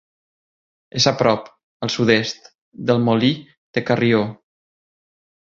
És a prop, al sud-est, del Molí de Carrió.